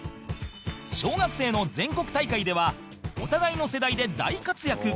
小学生の全国大会ではお互いの世代で大活躍